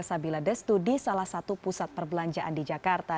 sabila destudi salah satu pusat perbelanjaan di jakarta